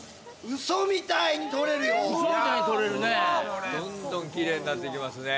ウソみたいに取れるねどんどんキレイになっていきますね